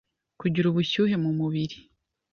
kugira ubushyuhe mu mubiri,